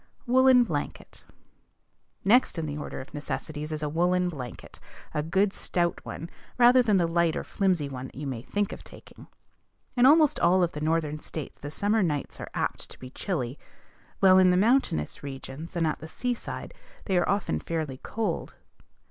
WOOLLEN BLANKET. Next in the order of necessities is a woollen blanket, a good stout one, rather than the light or flimsy one that you may think of taking. In almost all of the Northern States the summer nights are apt to be chilly; while in the mountainous regions, and at the seaside, they are often fairly cold.